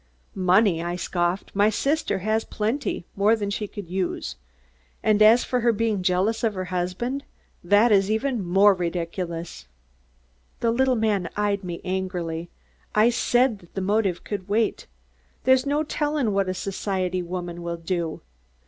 "Money?" I scoffed. "My sister had plenty; more than she could use. And as for her being jealous of her husband, that is even more ridiculous." The little man eyed me angrily. "I said that the motive could wait. There's no tellin' what a society woman will do.